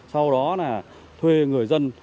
sau đó là thuê người dân